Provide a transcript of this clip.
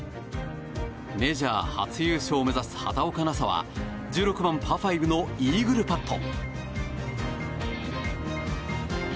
メジャー初優勝を目指す畑岡奈紗は１６番、パー５のイーグルパット。